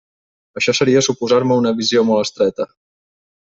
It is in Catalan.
Això seria suposar-me una visió molt estreta.